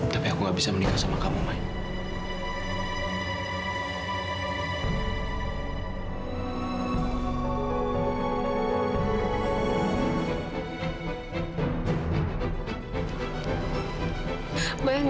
tapi aku nggak bisa menikah sama kamu maya